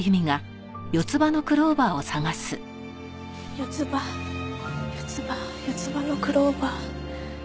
四つ葉四つ葉四つ葉のクローバー。